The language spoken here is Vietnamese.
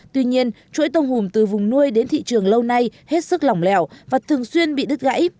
tuy nhiên chuỗi tôm hùm từ vùng nuôi đến thị trường lâu nay hết sức lỏng lẻo và thường xuyên bị đứt gãy